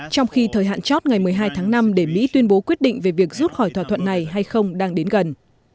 trong khi thời hạn chót ngày một mươi hai tháng năm để mỹ tuyên bố quyết định về việc rút khỏi thỏa thuận này hay không đang đến gần